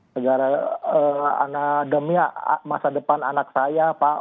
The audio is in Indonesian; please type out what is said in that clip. sebagai anak demi masa depan anak saya pak